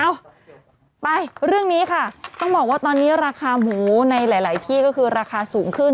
เอ้าไปเรื่องนี้ค่ะต้องบอกว่าตอนนี้ราคาหมูในหลายที่ก็คือราคาสูงขึ้น